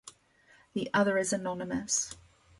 The other is anonymous.